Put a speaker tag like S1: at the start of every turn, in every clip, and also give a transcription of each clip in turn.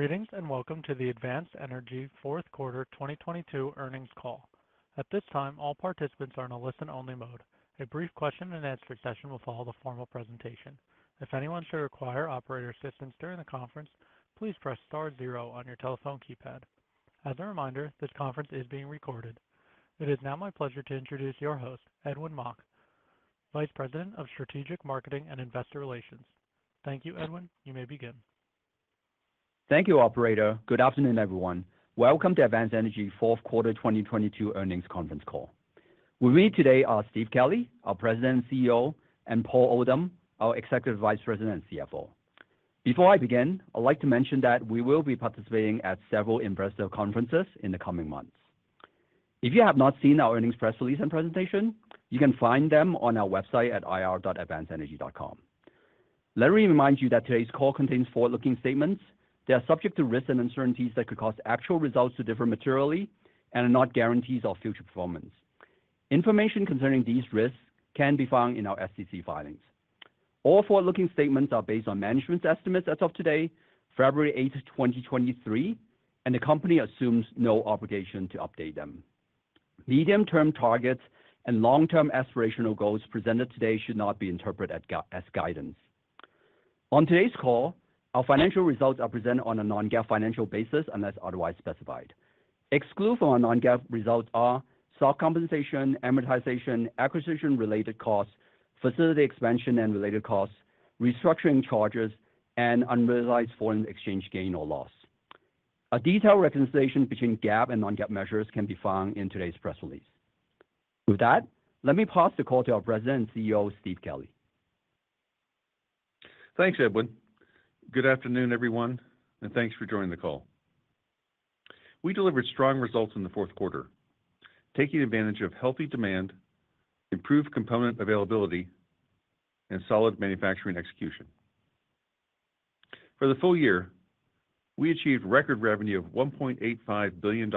S1: Greetings, welcome to the Advanced Energy Q4 2022 Earnings Call. At this time, all participants are in a listen-only mode. A brief question and answer session will follow the formal presentation. If anyone should require operator assistance during the conference, please press star zero on your telephone keypad. As a reminder, this conference is being recorded. It is now my pleasure to introduce your host, Edwin Mok, Vice President of Strategic Marketing and Investor Relations. Thank you, Edwin. You may begin.
S2: Thank you, operator. Good afternoon, everyone. Welcome to Advanced Energy Q4 2022 earnings conference call. With me today are Steve Kelley, our President and CEO, and Paul Oldham, our Executive Vice President and CFO. Before I begin, I'd like to mention that we will be participating at several investor conferences in the coming months. If you have not seen our earnings press release and presentation, you can find them on our website at ir.advancedenergy.com. Let me remind you that today's call contains forward-looking statements. They are subject to risks and uncertainties that could cause actual results to differ materially and are not guarantees of future performance. Information concerning these risks can be found in our SEC filings. All forward-looking statements are based on management's estimates as of today, February 8, 2023, and the company assumes no obligation to update them. Medium-term targets and long-term aspirational goals presented today should not be interpreted as guidance. On today's call, our financial results are presented on a non-GAAP financial basis unless otherwise specified. Excluded from our non-GAAP results are stock compensation, amortization, acquisition-related costs, facility expansion and related costs, restructuring charges, and unrealized foreign exchange gain or loss. A detailed reconciliation between GAAP and non-GAAP measures can be found in today's press release. With that, let me pass the call to our President and CEO, Steve Kelley.
S3: Thanks, Edwin. Good afternoon, everyone, and thanks for joining the call. We delivered strong results in the Q4, taking advantage of healthy demand, improved component availability, and solid manufacturing execution. For the full year, we achieved record revenue of $1.85 billion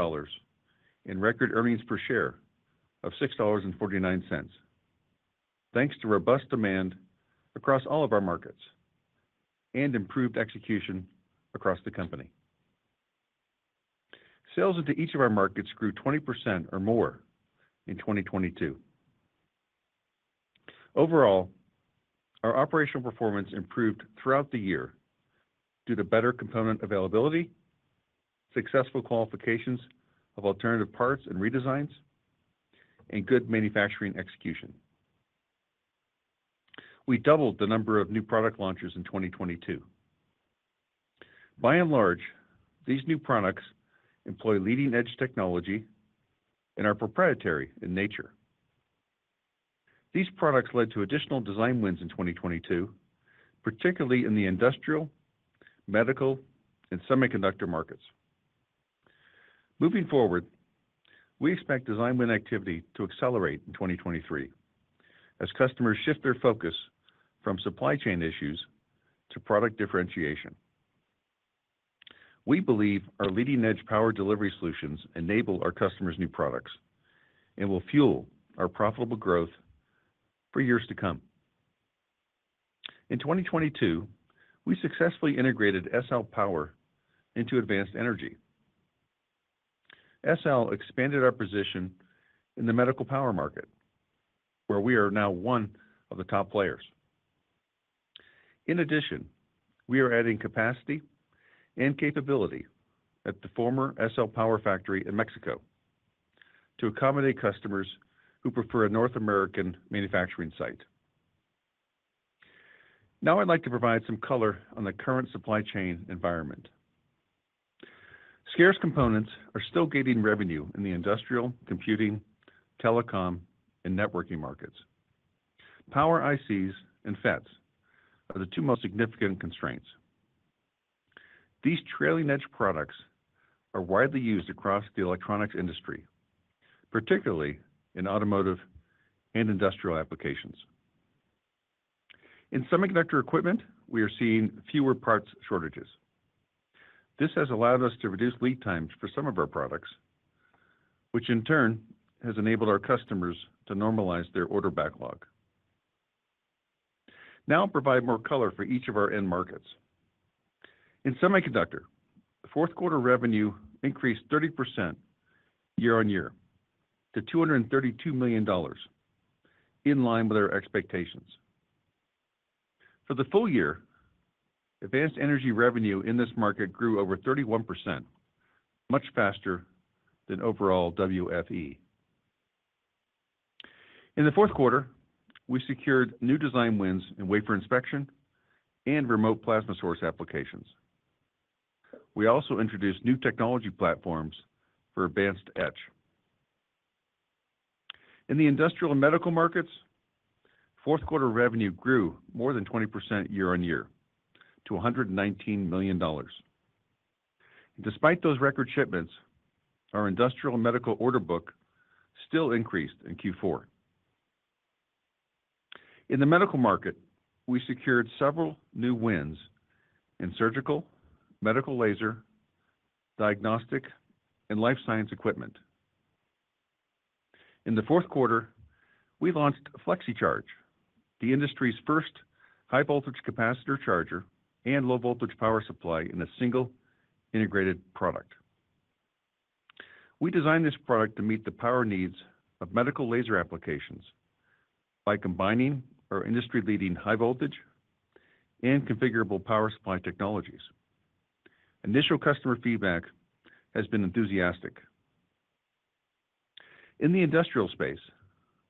S3: and record earnings per share of $6.49, thanks to robust demand across all of our markets and improved execution across the company. Sales into each of our markets grew 20% or more in 2022. Overall, our operational performance improved throughout the year due to better component availability, successful qualifications of alternative parts and redesigns, and good manufacturing execution. We doubled the number of new product launches in 2022. By and large, these new products employ leading-edge technology and are proprietary in nature. These products led to additional design wins in 2022, particularly in the industrial, medical, and semiconductor markets. Moving forward, we expect design win activity to accelerate in 2023 as customers shift their focus from supply chain issues to product differentiation. We believe our leading-edge power delivery solutions enable our customers' new products and will fuel our profitable growth for years to come. In 2022, we successfully integrated SL Power into Advanced Energy. SL expanded our position in the medical power market, where we are now one of the top players. In addition, we are adding capacity and capability at the former SL Power factory in Mexico to accommodate customers who prefer a North American manufacturing site. I'd like to provide some color on the current supply chain environment. Scarce components are still gating revenue in the industrial, computing, telecom, and networking markets. Power ICs and FETs are the two most significant constraints. These trailing-edge products are widely used across the electronics industry, particularly in automotive and industrial applications. In semiconductor equipment, we are seeing fewer parts shortages. This has allowed us to reduce lead times for some of our products, which in turn has enabled our customers to normalize their order backlog. Now I'll provide more color for each of our end markets. In semiconductor, Q4 revenue increased 30% year-on-year to $232 million, in line with our expectations. For the full year, Advanced Energy revenue in this market grew over 31%, much faster than overall WFE. In the Q4, we secured new design wins in wafer inspection and remote plasma source applications. We also introduced new technology platforms for advanced etch. In the industrial and medical markets, Q4 revenue grew more than 20% year-on-year to $119 million. Despite those record shipments, our industrial and medical order book still increased in Q4. In the medical market, we secured several new wins in surgical, medical laser, diagnostic, and life science equipment. In the Q4, we launched FlexiCharge, the industry's first high voltage capacitor charger and low voltage power supply in a single integrated product. We designed this product to meet the power needs of medical laser applications by combining our industry-leading high voltage and configurable power supply technologies. Initial customer feedback has been enthusiastic. In the industrial space,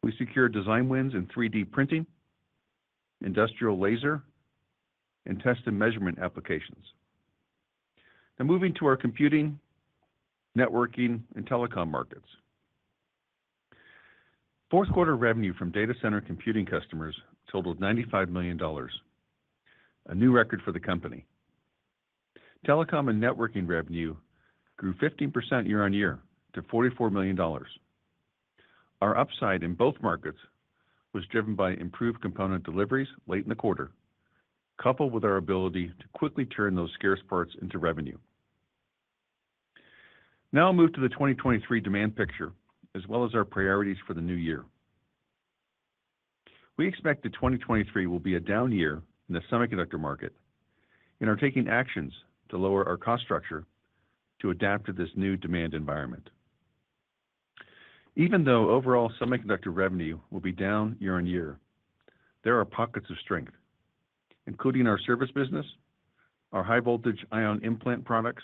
S3: we secured design wins in 3D printing, industrial laser, and test and measurement applications. Moving to our computing, networking, and telecom markets. Q4 revenue from data center computing customers totaled $95 million, a new record for the company. Telecom and networking revenue grew 15% year-on-year to $44 million. Our upside in both markets was driven by improved component deliveries late in the quarter, coupled with our ability to quickly turn those scarce parts into revenue. I'll move to the 2023 demand picture, as well as our priorities for the new year. We expect that 2023 will be a down year in the semiconductor market and are taking actions to lower our cost structure to adapt to this new demand environment. Overall semiconductor revenue will be down year-over-year, there are pockets of strength, including our service business, our high voltage ion implant products,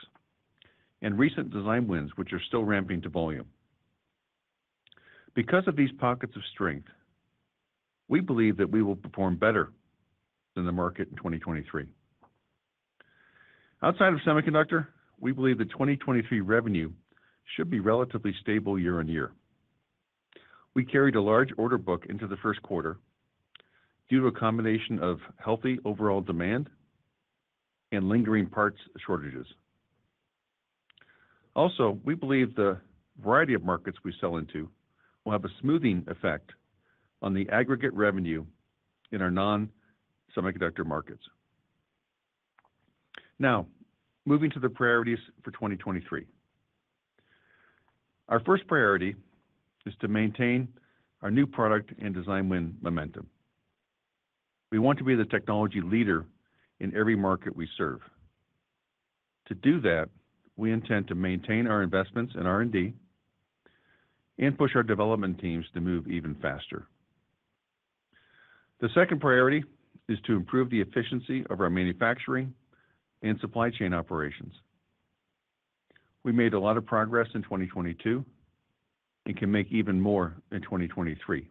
S3: and recent design wins which are still ramping to volume. Because of these pockets of strength, we believe that we will perform better than the market in 2023. Outside of semiconductor, we believe that 2023 revenue should be relatively stable year-on-year. We carried a large order book into the Q1 due to a combination of healthy overall demand and lingering parts shortages. We believe the variety of markets we sell into will have a smoothing effect on the aggregate revenue in our non-semiconductor markets. Moving to the priorities for 2023. Our first priority is to maintain our new product and design win momentum. We want to be the technology leader in every market we serve. To do that, we intend to maintain our investments in R&D and push our development teams to move even faster. The second priority is to improve the efficiency of our manufacturing and supply chain operations. We made a lot of progress in 2022. We can make even more in 2023.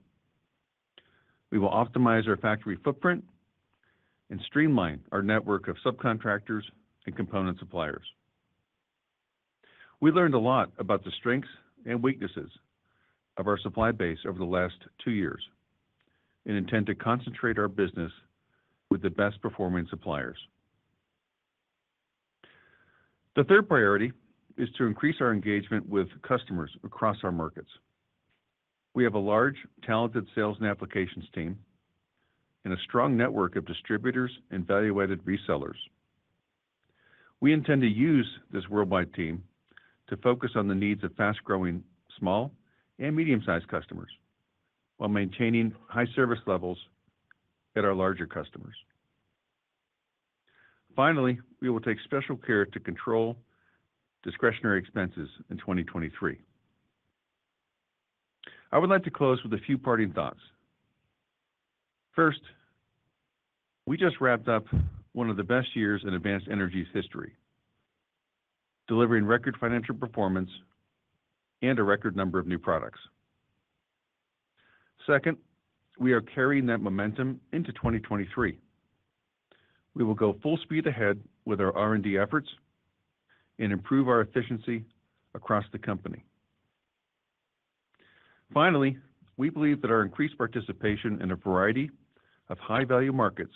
S3: We will optimize our factory footprint and streamline our network of subcontractors and component suppliers. We learned a lot about the strengths and weaknesses of our supply base over the last two years. We intend to concentrate our business with the best performing suppliers. The third priority is to increase our engagement with customers across our markets. We have a large, talented sales and applications team and a strong network of distributors and value-added resellers. We intend to use this worldwide team to focus on the needs of fast-growing small and medium-sized customers while maintaining high service levels at our larger customers. Finally, we will take special care to control discretionary expenses in 2023. I would like to close with a few parting thoughts. First, we just wrapped up one of the best years in Advanced Energy's history, delivering record financial performance and a record number of new products. Second, we are carrying that momentum into 2023. We will go full speed ahead with our R&D efforts and improve our efficiency across the company. Finally, we believe that our increased participation in a variety of high-value markets,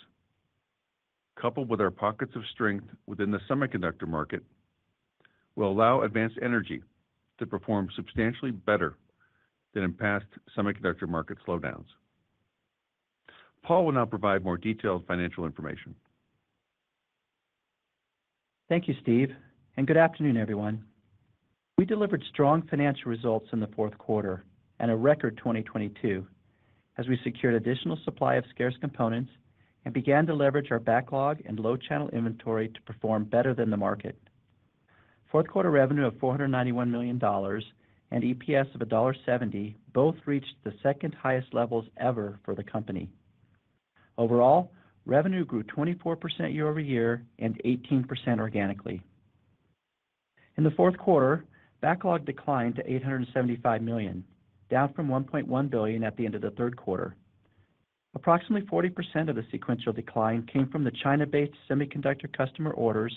S3: coupled with our pockets of strength within the semiconductor market, will allow Advanced Energy to perform substantially better than in past semiconductor market slowdowns. Paul will now provide more detailed financial information.
S4: Thank you, Steve, good afternoon, everyone. We delivered strong financial results in the Q4 and a record 2022 as we secured additional supply of scarce components and began to leverage our backlog and low channel inventory to perform better than the market. Q4 revenue of $491 million and EPS of $1.70 both reached the second highest levels ever for the company. Overall, revenue grew 24% year-over-year and 18% organically. In the Q4, backlog declined to $875 million, down from $1.1 billion at the end of the Q3. Approximately 40% of the sequential decline came from the China-based semiconductor customer orders,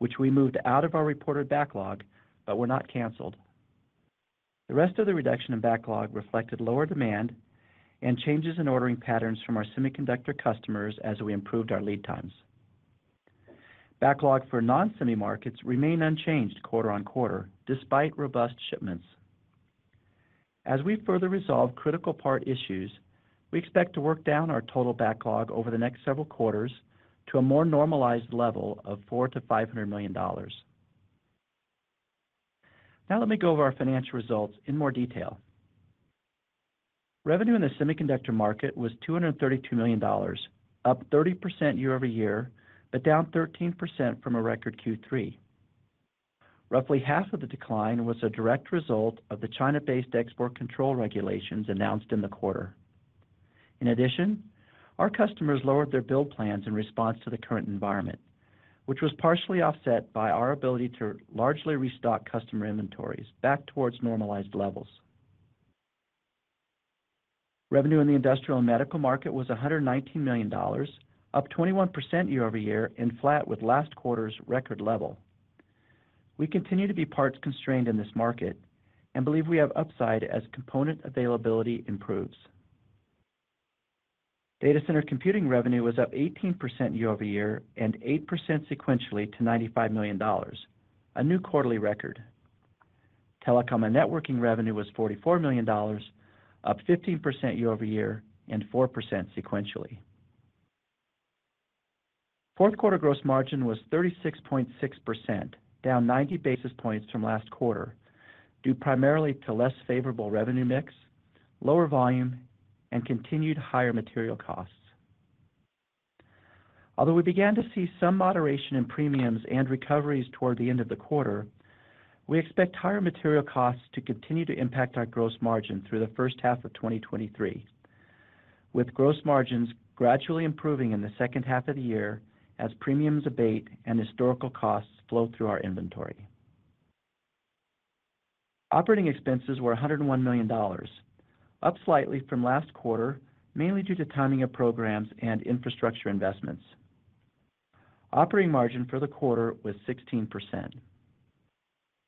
S4: which we moved out of our reported backlog but were not canceled. The rest of the reduction in backlog reflected lower demand and changes in ordering patterns from our semiconductor customers as we improved our lead times. Backlog for non-semi markets remained unchanged quarter-on-quarter despite robust shipments. As we further resolve critical part issues, we expect to work down our total backlog over the next several quarters to a more normalized level of $400 million-$500 million. Let me go over our financial results in more detail. Revenue in the semiconductor market was $232 million, up 30% year-over-year, but down 13% from a record Q3. Roughly half of the decline was a direct result of the China-based export control regulations announced in the quarter. In addition, our customers lowered their build plans in response to the current environment, which was partially offset by our ability to largely restock customer inventories back towards normalized levels. Revenue in the industrial and medical market was $119 million, up 21% year-over-year and flat with last quarter's record level. We continue to be parts constrained in this market and believe we have upside as component availability improves. Data center computing revenue was up 18% year-over-year and 8% sequentially to $95 million, a new quarterly record. Telecom and networking revenue was $44 million, up 15% year-over-year and 4% sequentially. Q4 gross margin was 36.6%, down 90 basis points from last quarter, due primarily to less favorable revenue mix, lower volume, and continued higher material costs. Although we began to see some moderation in premiums and recoveries toward the end of the quarter, we expect higher material costs to continue to impact our gross margin through the first half of 2023, with gross margins gradually improving in the second half of the year as premiums abate and historical costs flow through our inventory. Operating expenses were $101 million, up slightly from last quarter, mainly due to timing of programs and infrastructure investments. Operating margin for the quarter was 16%.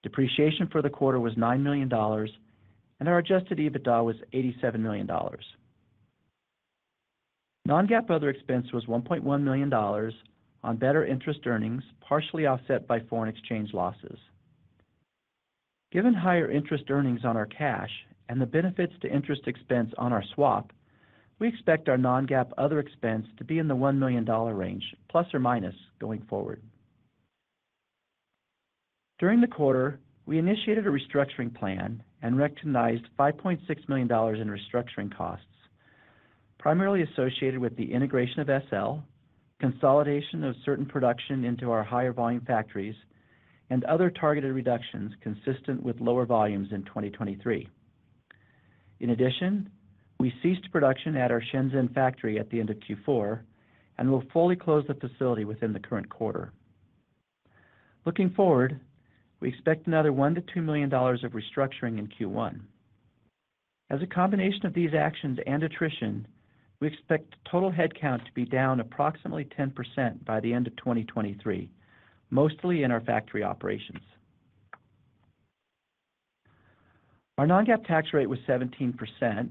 S4: Depreciation for the quarter was $9 million, and our adjusted EBITDA was $87 million. Non-GAAP other expense was $1.1 million on better interest earnings, partially offset by foreign exchange losses. Given higher interest earnings on our cash and the benefits to interest expense on our swap, we expect our non-GAAP other expense to be in the $1 million range, ±, going forward. During the quarter, we initiated a restructuring plan and recognized $5.6 million in restructuring costs, primarily associated with the integration of SL, consolidation of certain production into our higher volume factories, and other targeted reductions consistent with lower volumes in 2023. We ceased production at our Shenzhen factory at the end of Q4 and will fully close the facility within the current quarter. Looking forward, we expect another $1 million-$2 million of restructuring in Q1. As a combination of these actions and attrition, we expect total headcount to be down approximately 10% by the end of 2023, mostly in our factory operations. Our non-GAAP tax rate was 17%,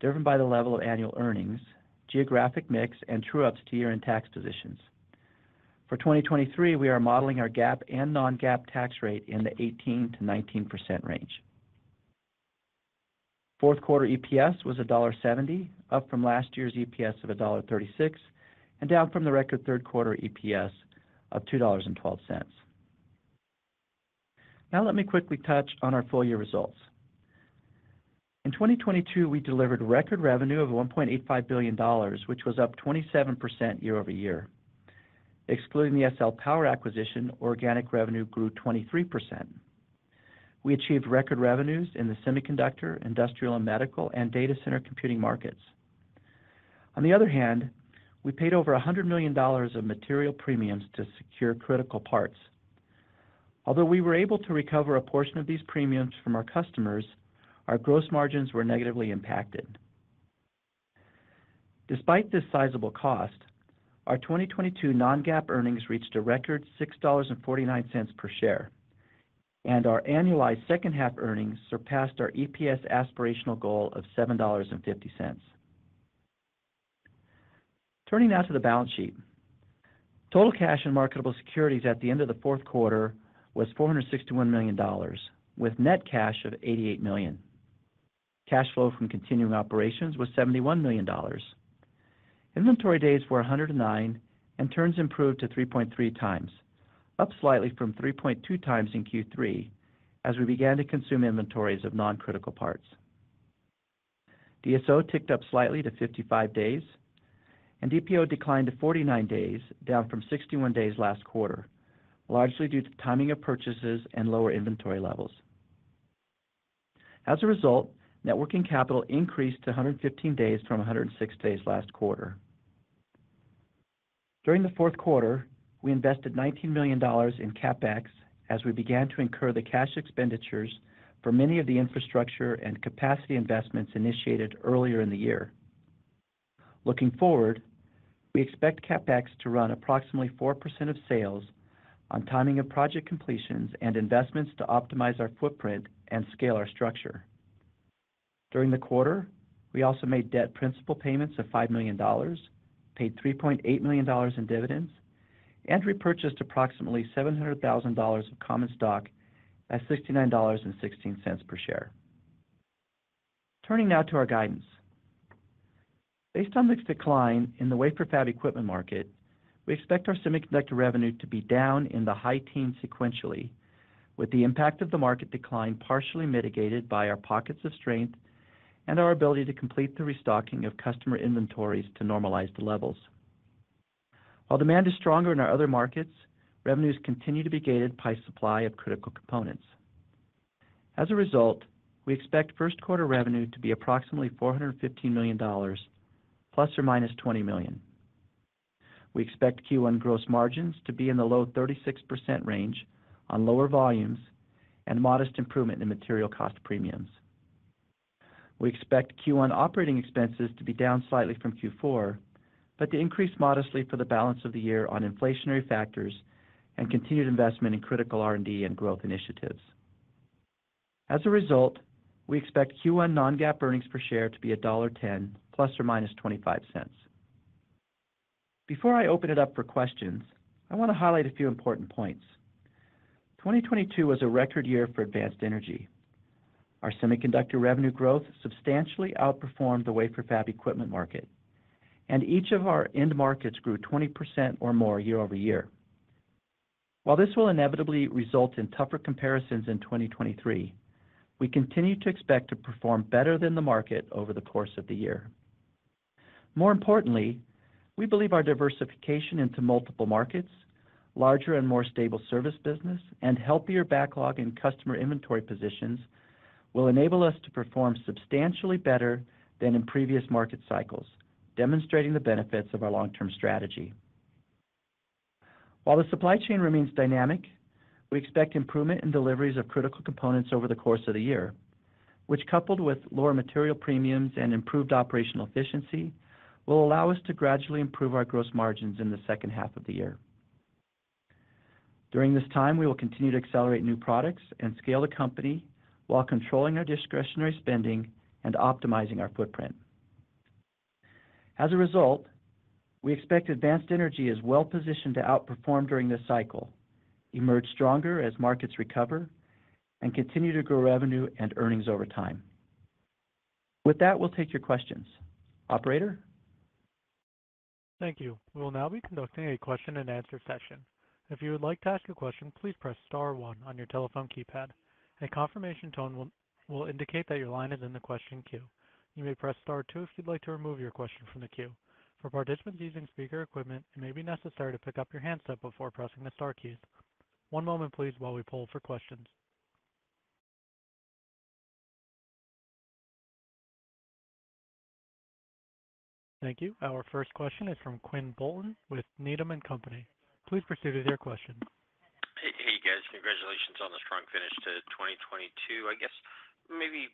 S4: driven by the level of annual earnings, geographic mix, and true-ups to year-end tax positions. For 2023, we are modeling our GAAP and non-GAAP tax rate in the 18%-19% range. Q4 EPS was $1.70, up from last year's EPS of $1.36, and down from the record Q3 EPS of $2.12. Let me quickly touch on our full year results. In 2022, we delivered record revenue of $1.85 billion, which was up 27% year-over-year. Excluding the SL Power acquisition, organic revenue grew 23%. We achieved record revenues in the semiconductor, industrial and medical, and data center computing markets. We paid over $100 million of material premiums to secure critical parts. Although we were able to recover a portion of these premiums from our customers, our gross margins were negatively impacted. Despite this sizable cost, our 2022 non-GAAP earnings reached a record $6.49 per share, and our annualized second half earnings surpassed our EPS aspirational goal of $7.50. Turning now to the balance sheet. Total cash and marketable securities at the end of the Q4 was $461 million, with net cash of $88 million. Cash flow from continuing operations was $71 million. Inventory days were 109, and turns improved to 3.3x, up slightly from 3.2x in Q3 as we began to consume inventories of non-critical parts. DSO ticked up slightly to 55 days, and DPO declined to 49 days, down from 61 days last quarter, largely due to timing of purchases and lower inventory levels. As a result, networking capital increased to 115 days from 106 days last quarter. During the Q4, we invested $19 million in CapEx as we began to incur the cash expenditures for many of the infrastructure and capacity investments initiated earlier in the year. Looking forward, we expect CapEx to run approximately 4% of sales on timing of project completions and investments to optimize our footprint and scale our structure. During the quarter, we also made debt principal payments of $5 million, paid $3.8 million in dividends, repurchased approximately $700,000 of common stock at $69.16 per share. Turning now to our guidance. Based on the decline in the wafer fab equipment market, we expect our semiconductor revenue to be down in the high teens sequentially, with the impact of the market decline partially mitigated by our pockets of strength and our ability to complete the restocking of customer inventories to normalized levels. While demand is stronger in our other markets, revenues continue to be gated by supply of critical components. As a result, we expect Q1 revenue to be approximately $415 million ±$20 million. We expect Q1 gross margins to be in the low 36% range on lower volumes and modest improvement in material cost premiums. We expect Q1 operating expenses to be down slightly from Q4, but to increase modestly for the balance of the year on inflationary factors and continued investment in critical R&D and growth initiatives. As a result, we expect Q1 non-GAAP earnings per share to be $1.10 ±$0.25. Before I open it up for questions, I want to highlight a few important points. 2022 was a record year for Advanced Energy. Our semiconductor revenue growth substantially outperformed the wafer fab equipment market, and each of our end markets grew 20% or more year-over-year. While this will inevitably result in tougher comparisons in 2023, we continue to expect to perform better than the market over the course of the year. More importantly, we believe our diversification into multiple markets, larger and more stable service business, and healthier backlog and customer inventory positions will enable us to perform substantially better than in previous market cycles, demonstrating the benefits of our long-term strategy. While the supply chain remains dynamic, we expect improvement in deliveries of critical components over the course of the year, which, coupled with lower material premiums and improved operational efficiency, will allow us to gradually improve our gross margins in the second half of the year. During this time, we will continue to accelerate new products and scale the company while controlling our discretionary spending and optimizing our footprint. As a result, we expect Advanced Energy is well positioned to outperform during this cycle, emerge stronger as markets recover, and continue to grow revenue and earnings over time. With that, we'll take your questions. Operator.
S1: Thank you. We will now be conducting a question and answer session. If you would like to ask a question, please press star one on your telephone keypad. A confirmation tone will indicate that your line is in the question queue. You may press star two if you'd like to remove your question from the queue. For participants using speaker equipment, it may be necessary to pick up your handset before pressing the star keys. One moment please while we poll for questions. Thank you. Our first question is from Quinn Bolton with Needham & Company. Please proceed with your question.
S5: Hey, guys. Congratulations on the strong finish to 2022. I guess maybe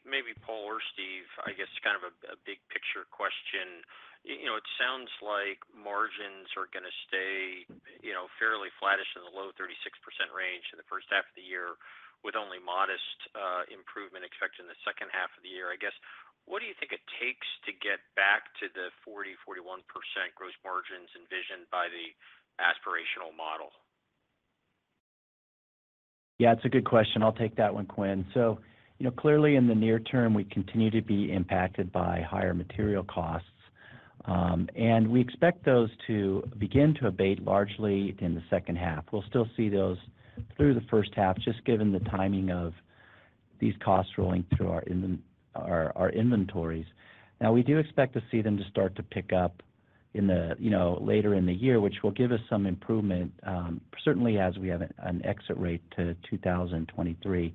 S5: Paul or Steve, I guess kind of a big picture question. You know, it sounds like margins are gonna stay, you know, fairly flattish in the low 36% range in the first half of the year, with only modest improvement expected in the second half of the year. I guess, what do you think it takes to get back to the 40%-41% gross margins envisioned by the aspirational model?
S4: Yeah, it's a good question. I'll take that one, Quinn. You know, clearly in the near term, we continue to be impacted by higher material costs, we expect those to begin to abate largely in the second half. We'll still see those through the first half, just given the timing of these costs rolling through our inventories. We do expect to see them to start to pick up in the, you know, later in the year, which will give us some improvement, certainly as we have an exit rate to 2023.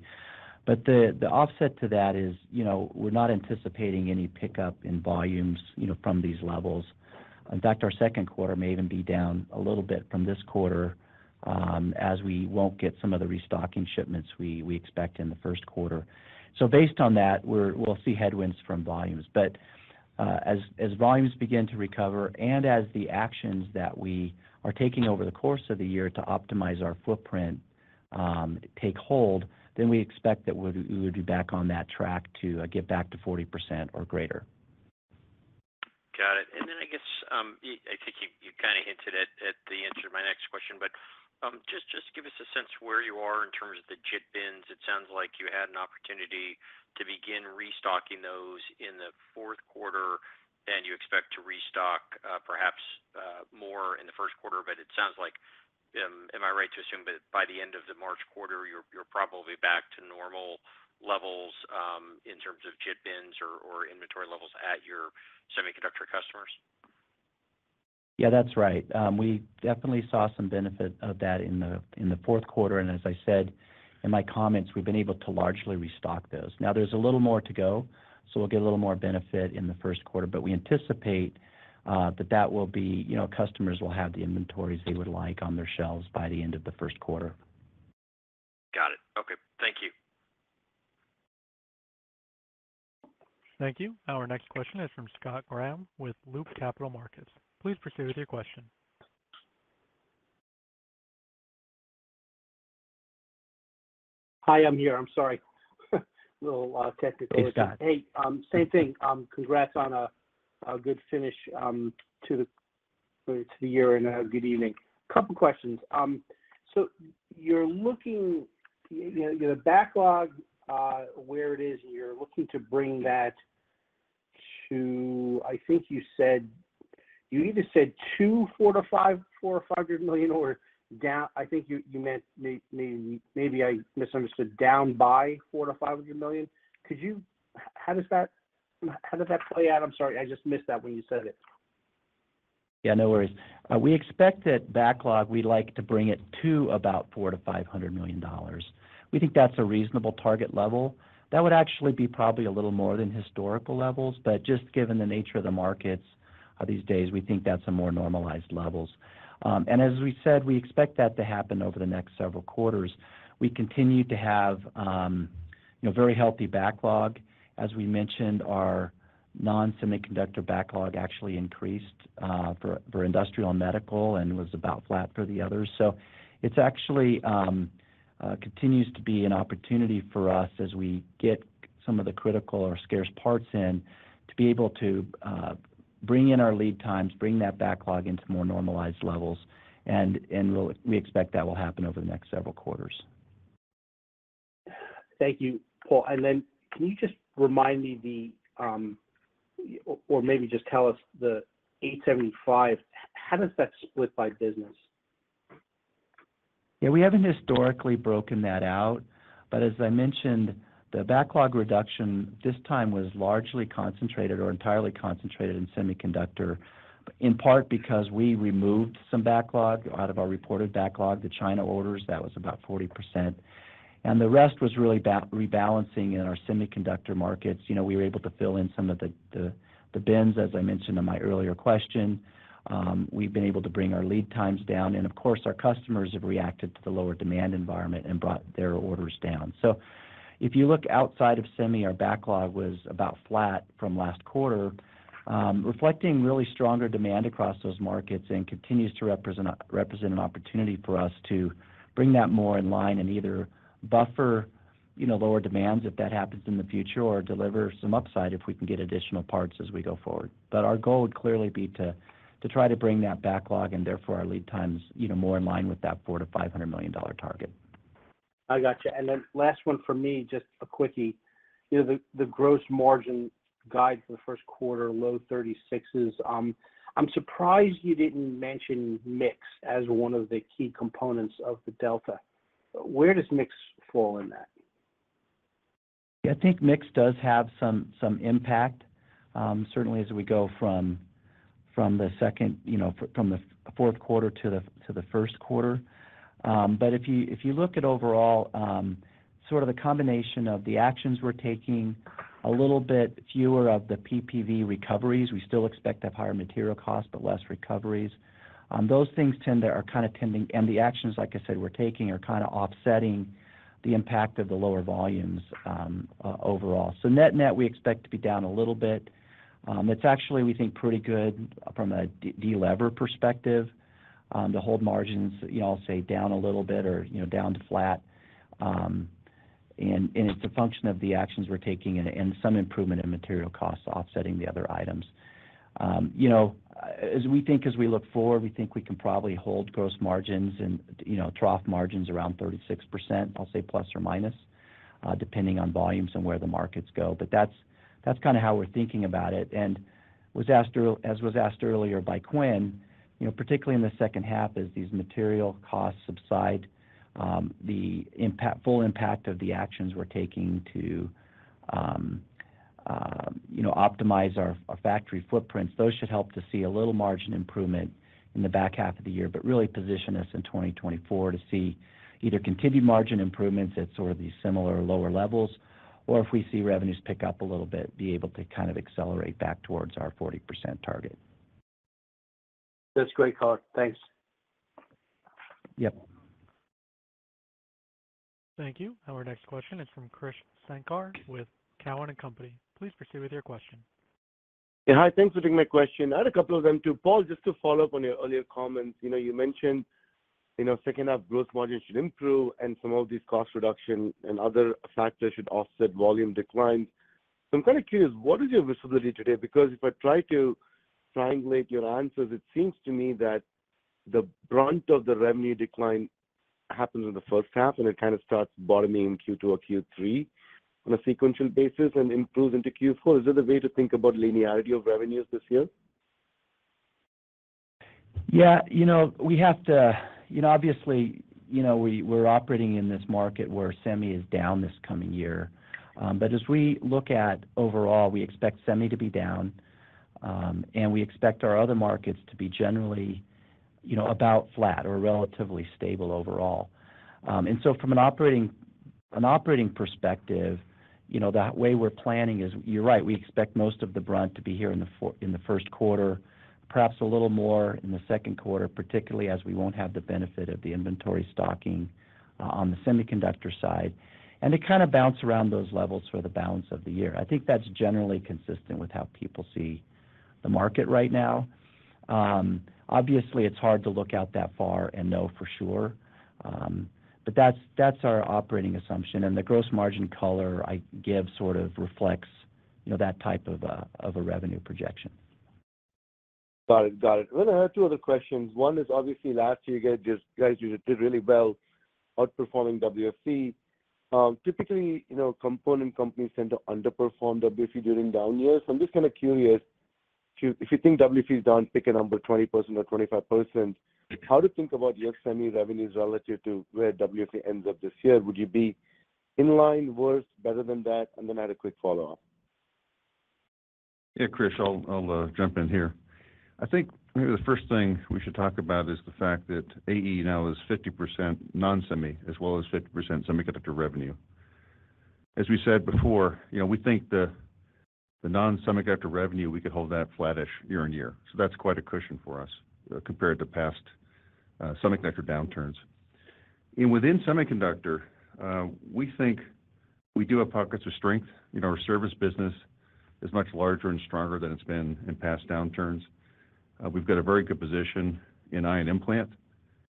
S4: The, the offset to that is, you know, we're not anticipating any pickup in volumes, you know, from these levels. In fact, our Q2 may even be down a little bit from this quarter, as we won't get some of the restocking shipments we expect in the Q1. Based on that, we'll see headwinds from volumes. As volumes begin to recover and as the actions that we are taking over the course of the year to optimize our footprint, take hold, we expect that we would be back on that track to get back to 40% or greater.
S5: Got it. I think you kinda hinted at the answer to my next question, but just give us a sense of where you are in terms of the JIT bins. It sounds like you had an opportunity to begin restocking those in the Q4, and you expect to restock perhaps more in the Q1, but it sounds like, am I right to assume that by the end of the March quarter, you're probably back to normal levels in terms of JIT bins or inventory levels at your semiconductor customers?
S4: Yeah, that's right. We definitely saw some benefit of that in the Q4, and as I said in my comments, we've been able to largely restock those. Now, there's a little more to go, so we'll get a little more benefit in the Q1. We anticipate, you know, customers will have the inventories they would like on their shelves by the end of the Q1.
S5: Got it. Okay. Thank you.
S1: Thank you. Our next question is from Scott Graham with Loop Capital Markets. Please proceed with your question.
S6: Hi, I'm here. I'm sorry. Little, tech delay.
S4: Hey, Scott.
S6: Hey, same thing. Congrats on a good finish. It's the year-end. Good evening. Couple questions. So you're looking, you know, you have backlog where it is, and you're looking to bring that to. I think you said you either said $400 million or $500 million, or I think you meant maybe I misunderstood, down by $400 million-$500 million. How does that play out? I'm sorry, I just missed that when you said it.
S4: Yeah, no worries. We expect that backlog, we'd like to bring it to about $400 million-$500 million. We think that's a reasonable target level. That would actually be probably a little more than historical levels, but just given the nature of the markets these days, we think that's a more normalized levels. As we said, we expect that to happen over the next several quarters. We continue to have, you know, very healthy backlog. As we mentioned, our non-semiconductor backlog actually increased for industrial and medical and was about flat for the others. It's actually continues to be an opportunity for us as we get some of the critical or scarce parts in to be able to bring in our lead times, bring that backlog into more normalized levels. We expect that will happen over the next several quarters.
S6: Thank you, Paul. Can you just remind me the, or maybe just tell us the $875, how does that split by business?
S4: Yeah, we haven't historically broken that out, but as I mentioned, the backlog reduction this time was largely concentrated or entirely concentrated in semiconductor, in part because we removed some backlog out of our reported backlog, the China orders, that was about 40%. The rest was really rebalancing in our semiconductor markets. You know, we were able to fill in some of the bins, as I mentioned in my earlier question. We've been able to bring our lead times down, and of course, our customers have reacted to the lower demand environment and brought their orders down. If you look outside of semi, our backlog was about flat from last quarter, reflecting really stronger demand across those markets and continues to represent an opportunity for us to bring that more in line and either buffer, you know, lower demands if that happens in the future or deliver some upside if we can get additional parts as we go forward. Our goal would clearly be to try to bring that backlog and therefore our lead times, you know, more in line with that $400 million-$500 million target.
S6: I got you. Last one for me, just a quickie. You know, the gross margin guide for the Q1, low 36s. I'm surprised you didn't mention mix as one of the key components of the delta. Where does mix fall in that?
S4: I think mix does have some impact, certainly as we go from the second, you know, from the Q4 to the Q1. If you, if you look at overall, sort of the combination of the actions we're taking, a little bit fewer of the PPV recoveries, we still expect to have higher material costs, but less recoveries. Those things are kind of tending and the actions, like I said, we're taking are kinda offsetting the impact of the lower volumes, overall. Net-net, we expect to be down a little bit. It's actually, we think, pretty good from a delever perspective, to hold margins, you know, I'll say down a little bit or, you know, down to flat. It's a function of the actions we're taking and some improvement in material costs offsetting the other items. You know, as we look forward, we think we can probably hold gross margins and, you know, trough margins around 36%, I'll say plus or minus, depending on volumes and where the markets go. That's kinda how we're thinking about it. Was asked as was asked earlier by Quinn, you know, particularly in the second half, as these material costs subside, the impact, full impact of the actions we're taking to, you know, optimize our factory footprints, those should help to see a little margin improvement in the back half of the year, but really position us in 2024 to see either continued margin improvements at sort of these similar or lower levels, or if we see revenues pick up a little bit, be able to kind of accelerate back towards our 40% target.
S6: That's great color. Thanks.
S4: Yep.
S1: Thank you. Our next question is from Krish Sankar with Cowen and Company. Please proceed with your question.
S7: Hi, thanks for taking my question. I had a couple of them too. Paul, just to follow up on your earlier comments. You know, you mentioned, you know, second half gross margin should improve and some of these cost reduction and other factors should offset volume declines. I'm kind of curious, what is your visibility today? If I try to triangulate your answers, it seems to me that the brunt of the revenue decline happens in the first half and it kind of starts bottoming in Q2 or Q3 on a sequential basis and improves into Q4. Is that the way to think about linearity of revenues this year?
S4: Yeah. You know, we have to, you know, obviously, you know, we're operating in this market where semi is down this coming year. As we look at overall, we expect semi to be down, and we expect our other markets to be generally, you know, about flat or relatively stable overall. From an operating perspective, you know, that way we're planning is you're right, we expect most of the brunt to be here in the Q1, perhaps a little more in the Q2, particularly as we won't have the benefit of the inventory stocking on the semiconductor side. To kind of bounce around those levels for the balance of the year. I think that's generally consistent with how people see the market right now. Obviously it's hard to look out that far and know for sure. That's, that's our operating assumption, and the gross margin color I give sort of reflects, you know, that type of a, of a revenue projection.
S7: Got it. Got it. Well, I had two other questions. One is obviously last year you guys, you did really well outperforming WFE. Typically, you know, component companies tend to underperform WFE during down years. I'm just kind of curious if you think WFE is down, pick a number, 20% or 25%, how to think about your semi revenues relative to where WFE ends up this year? Would you be in line, worse, better than that? Then I had a quick follow-up.
S3: Yeah, Krish, I'll jump in here. I think maybe the first thing we should talk about is the fact that AE now is 50% non-semi as well as 50% semiconductor revenue. As we said before, you know, we think the non-semiconductor revenue, we could hold that flattish year and year. That's quite a cushion for us compared to past semiconductor downturns. Within semiconductor, we think we do have pockets of strength. You know, our service business is much larger and stronger than it's been in past downturns. We've got a very good position in ion implant.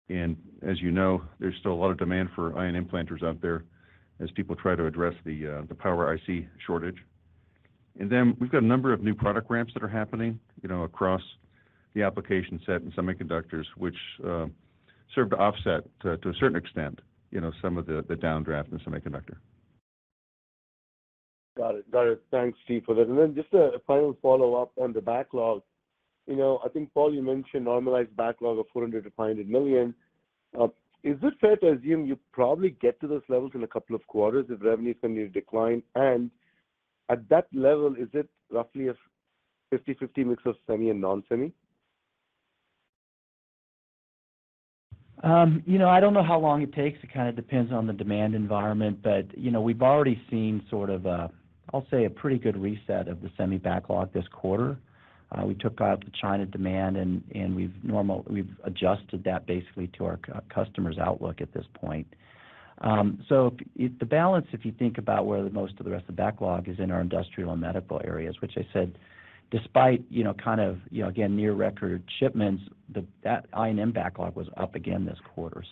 S3: As you know, there's still a lot of demand for ion implanters out there as people try to address the power IC shortage. We've got a number of new product ramps that are happening, you know, across the application set in semiconductors, which serve to offset to a certain extent, you know, some of the downdraft in the semiconductor.
S7: Got it. Got it. Thanks, Steve, for that. Just a final follow-up on the backlog. You know, I think, Paul, you mentioned normalized backlog of $400 million-$500 million. Is it fair to assume you probably get to those levels in a couple of quarters if revenue is going to decline? At that level, is it roughly a 50/50 mix of semi and non-semi?
S4: You know, I don't know how long it takes. It kind of depends on the demand environment. You know, we've already seen sort of a, I'll say, a pretty good reset of the semi backlog this quarter. We took out the China demand, and we've adjusted that basically to our customers outlook at this point. If the balance, if you think about where the most of the rest of the backlog is in our industrial and medical areas, which I said despite, you know, kind of, you know, again, near record shipments, that I&M backlog was up again this quarter.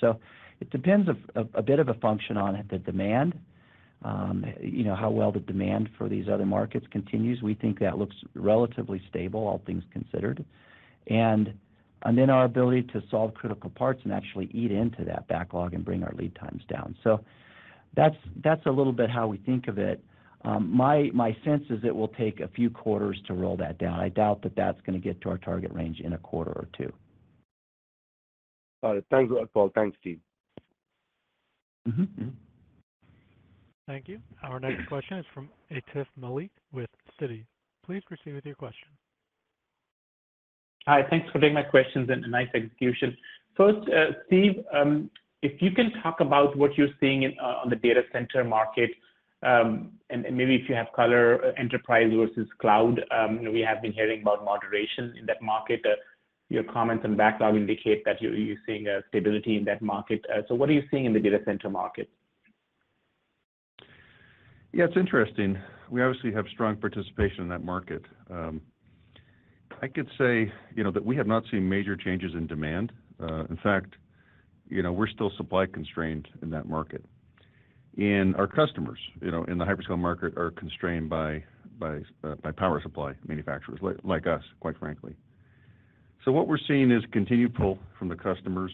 S4: It depends a bit of a function on the demand, you know, how well the demand for these other markets continues. We think that looks relatively stable, all things considered. Then our ability to solve critical parts and actually eat into that backlog and bring our lead times down. That's a little bit how we think of it. My sense is it will take a few quarters to roll that down. I doubt that that's gonna get to our target range in a quarter or two.
S7: All right. Thanks a lot, Paul. Thanks, Steve.
S4: Mm-hmm.
S3: Mm-hmm.
S1: Thank you. Our next question is from Atif Malik with Citi. Please proceed with your question.
S8: Hi. Thanks for taking my questions. Nice execution. First, Steve, if you can talk about what you're seeing on the data center market, and maybe if you have color enterprise versus cloud? We have been hearing about moderation in that market. Your comments and backlog indicate that you're seeing stability in that market. What are you seeing in the data center market?
S3: Yeah, it's interesting. We obviously have strong participation in that market. I could say, you know, that we have not seen major changes in demand. In fact, you know, we're still supply constrained in that market. Our customers, you know, in the hyperscale market are constrained by power supply manufacturers like us, quite frankly. What we're seeing is continued pull from the customers,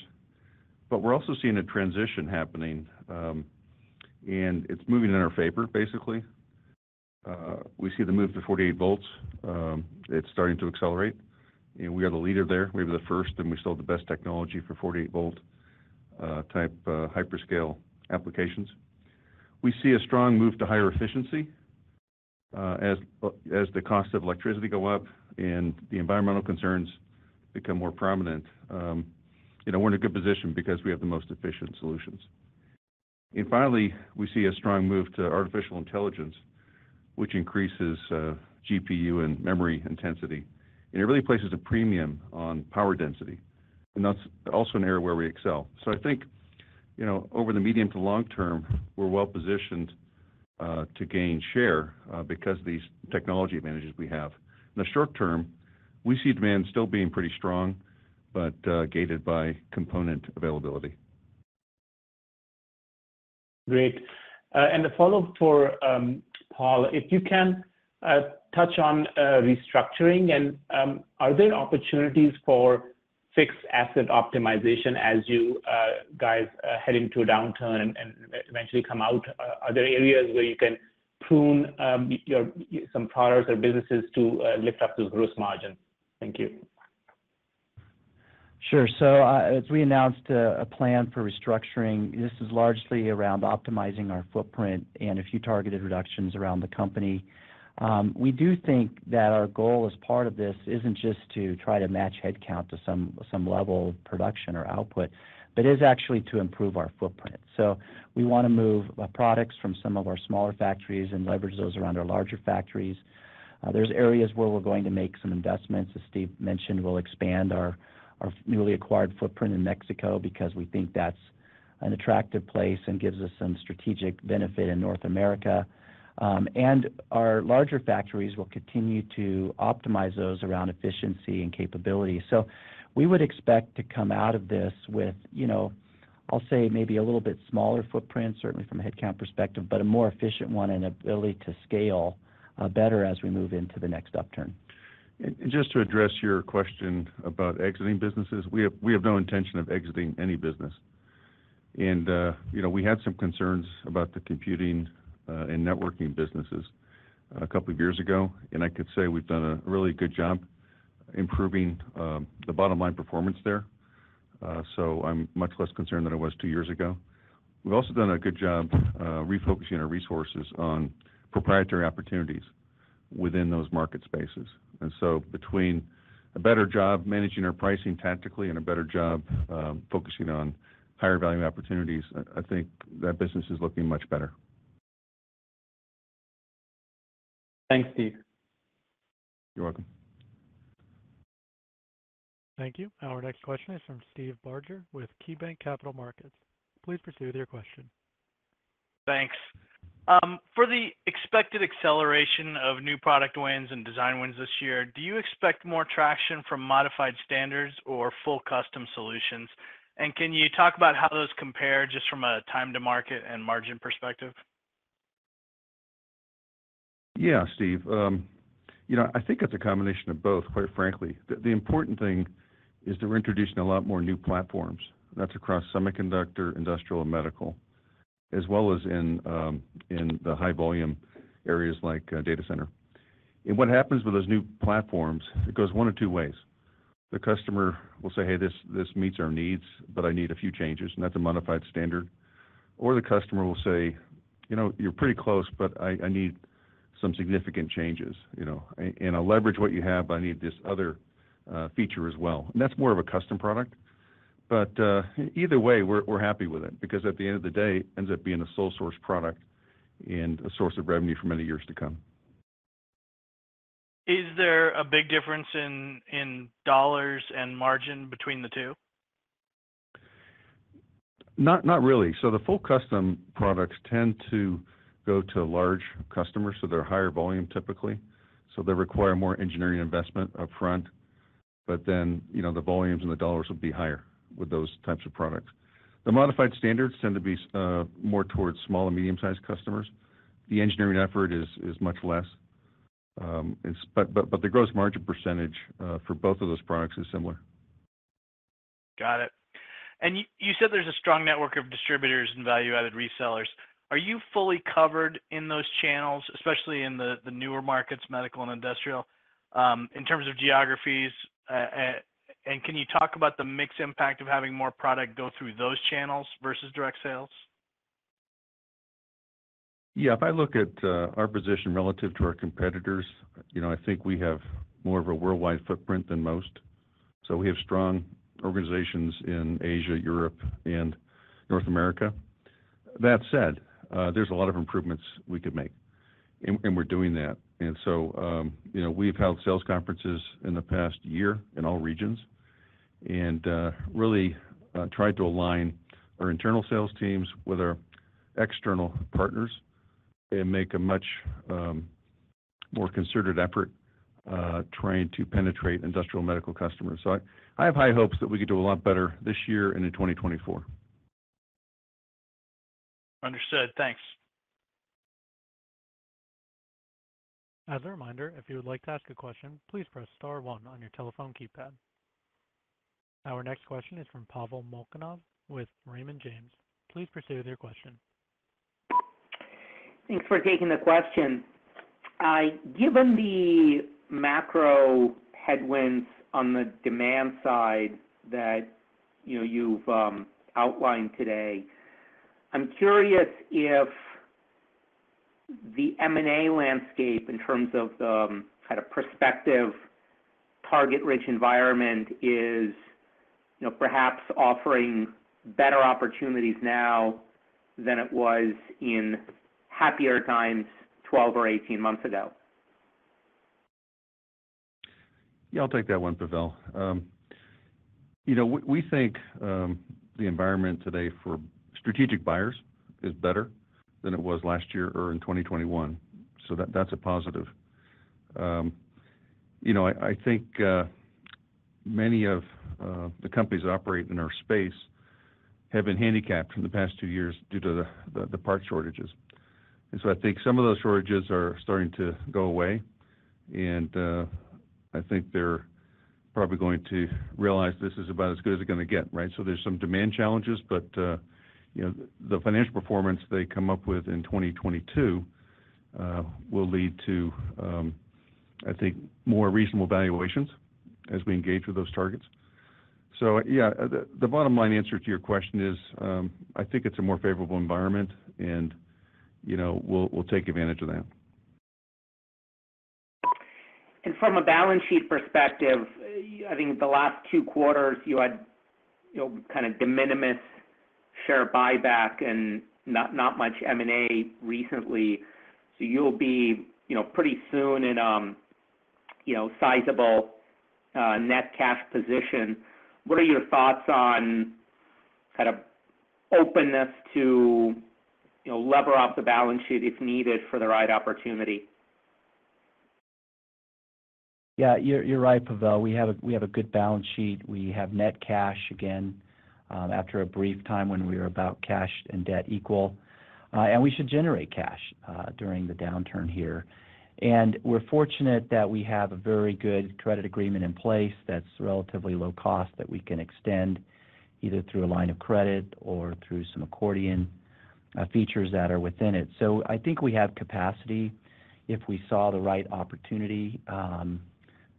S3: but we're also seeing a transition happening, and it's moving in our favor, basically. We see the move to 48V, it's starting to accelerate. We are the leader there. We were the first, and we still have the best technology for 48V type hyperscale applications. We see a strong move to higher efficiency, as the cost of electricity go up and the environmental concerns become more prominent, you know, we're in a good position because we have the most efficient solutions. Finally, we see a strong move to artificial intelligence, which increases GPU and memory intensity, and it really places a premium on power density, and that's also an area where we excel. I think, you know, over the medium to long term, we're well-positioned to gain share because these technology advantages we have. In the short term, we see demand still being pretty strong, but gated by component availability.
S8: Great. A follow-up for Paul. If you can touch on restructuring and are there opportunities for fixed asset optimization as you guys head into a downturn and eventually come out? Are there areas where you can prune some products or businesses to lift up those gross margins? Thank you.
S4: Sure. As we announced a plan for restructuring, this is largely around optimizing our footprint and a few targeted reductions around the company. We do think that our goal as part of this isn't just to try to match headcount to some level of production or output, but is actually to improve our footprint. We wanna move products from some of our smaller factories and leverage those around our larger factories. There's areas where we're going to make some investments. As Steve mentioned, we'll expand our newly acquired footprint in Mexico because we think that's an attractive place and gives us some strategic benefit in North America. Our larger factories will continue to optimize those around efficiency and capability. We would expect to come out of this with, you know, I'll say maybe a little bit smaller footprint, certainly from a headcount perspective, but a more efficient one and ability to scale better as we move into the next upturn.
S3: Just to address your question about exiting businesses, we have no intention of exiting any business. You know, we had some concerns about the computing and networking businesses a couple of years ago, and I could say we've done a really good job improving the bottom line performance there. So I'm much less concerned than I was two years ago. We've also done a good job refocusing our resources on proprietary opportunities within those market spaces. So between a better job managing our pricing tactically and a better job focusing on higher volume opportunities, I think that business is looking much better.
S8: Thanks, Steve.
S3: You're welcome.
S1: Thank you. Our next question is from Steve Barger with KeyBanc Capital Markets. Please proceed with your question.
S9: Thanks. For the expected acceleration of new product wins and design wins this year, do you expect more traction from modified standards or full custom solutions? Can you talk about how those compare just from a time to market and margin perspective?
S3: Yeah, Steve. You know, I think it's a combination of both, quite frankly. The important thing is that we're introducing a lot more new platforms, and that's across semiconductor, industrial, and medical, as well as in the high volume areas like data center. What happens with those new platforms, it goes one of two ways. The customer will say, "Hey, this meets our needs, but I need a few changes," and that's a modified standard. Or the customer will say, "You know, you're pretty close, but I need some significant changes, you know. And I'll leverage what you have, but I need this other feature as well." That's more of a custom product. Either way, we're happy with it because at the end of the day, it ends up being a sole source product and a source of revenue for many years to come.
S9: Is there a big difference in dollars and margin between the two?
S3: Not really. The full custom products tend to go to large customers, so they're higher volume typically, so they require more engineering investment upfront, but then, you know, the volumes and the dollars will be higher with those types of products. The modified standards tend to be more towards small and medium-sized customers. The engineering effort is much less, but the gross margin percentage for both of those products is similar.
S9: Got it. You said there's a strong network of distributors and value-added resellers. Are you fully covered in those channels, especially in the newer markets, medical and industrial, in terms of geographies? Can you talk about the mix impact of having more product go through those channels versus direct sales?
S3: Yeah. If I look at our position relative to our competitors, you know, I think we have more of a worldwide footprint than most, so we have strong organizations in Asia, Europe, and North America. That said, there's a lot of improvements we could make, and we're doing that. We've held sales conferences in the past year in all regions and really tried to align our internal sales teams with our external partners and make a much more considered effort trying to penetrate industrial medical customers. I have high hopes that we could do a lot better this year and in 2024.
S9: Understood. Thanks.
S1: As a reminder, if you would like to ask a question, please press star one on your telephone keypad. Our next question is from Pavel Molchanov with Raymond James. Please proceed with your question.
S10: Thanks for taking the question. Given the macro headwinds on the demand side that, you know, you've outlined today, I'm curious if the M&A landscape in terms of the kind of prospective target-rich environment is, you know, perhaps offering better opportunities now than it was in happier times 12 or 18 months ago?
S3: Yeah, I'll take that one, Pavel. You know, we think, the environment today for strategic buyers is better than it was last year or in 2021, so that's a positive. You know, I think, many of the companies that operate in our space have been handicapped from the past two years due to the part shortages. I think some of those shortages are starting to go away, and I think they're probably going to realize this is about as good as it's gonna get, right? There's some demand challenges, but, you know, the financial performance they come up with in 2022, will lead to, I think more reasonable valuations as we engage with those targets. The bottom line answer to your question is, I think it's a more favorable environment and, you know, we'll take advantage of that.
S10: From a balance sheet perspective, I think the last two quarters you had, you know, kind of de minimis share buyback and not much M&A recently. You'll be, you know, pretty soon in, you know, sizable net cash position. What are your thoughts on kind of openness to, you know, lever up the balance sheet if needed for the right opportunity?
S4: Yeah, you're right, Pavel. We have a good balance sheet. We have net cash again, after a brief time when we were about cash and debt equal. We should generate cash during the downturn here. We're fortunate that we have a very good credit agreement in place that's relatively low cost that we can extend either through a line of credit or through some accordion features that are within it. I think we have capacity if we saw the right opportunity,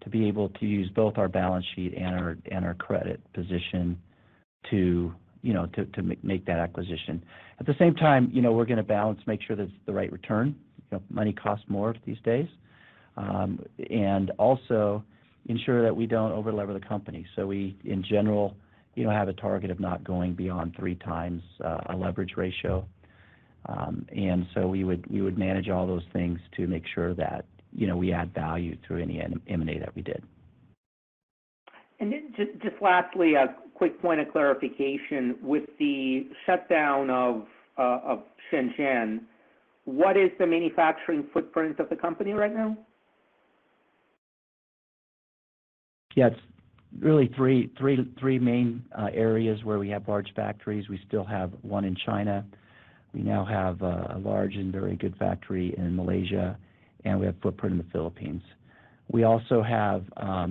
S4: to be able to use both our balance sheet and our credit position to, you know, to make that acquisition. At the same time, you know, we're gonna balance, make sure that it's the right return. You know, money costs more these days. Also ensure that we don't over-lever the company. We, in general, you know, have a target of not going beyond 3x, our leverage ratio. We would manage all those things to make sure that, you know, we add value through any M&A that we did.
S10: Just lastly, a quick point of clarification. With the shutdown of Shenzhen, what is the manufacturing footprint of the company right now?
S4: Yeah, it's really three main areas where we have large factories. We still have one in China. We now have a large and very good factory in Malaysia, and we have footprint in the Philippines. We also have,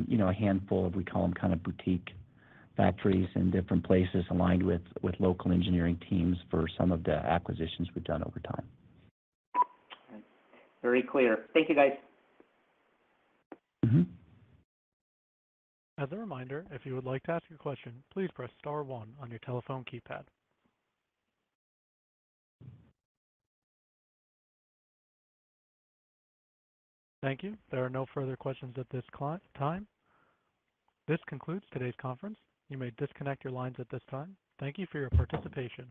S4: you know, a handful of, we call them kind of boutique factories in different places aligned with local engineering teams for some of the acquisitions we've done over time.
S10: Very clear. Thank you, guys.
S4: Mm-hmm.
S1: As a reminder, if you would like to ask a question, please press star one on your telephone keypad. Thank you. There are no further questions at this time. This concludes today's conference. You may disconnect your lines at this time. Thank you for your participation.